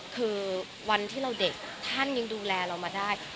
คือวันที่เราเด็กท่านยังดูแลเรามาได้